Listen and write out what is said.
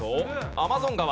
アマゾン川。